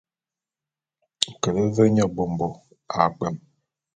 Kele ve nye bômbo a kpwem.